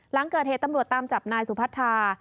หลังเกิดเหตุตำรวจตามจับนายสุพัทธา